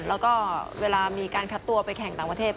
แล้วก็เวลามีการคัดตัวไปแข่งต่างประเทศ